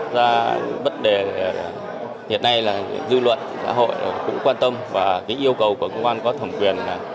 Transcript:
và bất đề hiện nay là dư luận xã hội cũng quan tâm và cái yêu cầu của công an có thẩm quyền là